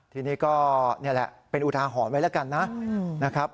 ทีนี้ก็นี่แหละเป็นอุทาหรณ์ไว้แล้วกันนะครับ